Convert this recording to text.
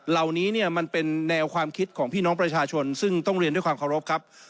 เหล่านี้เนี่ยมันเป็นแนวความคิดของพี่น้องประชาชนซึ่งต้องเรียนด้วยความเคารพครับ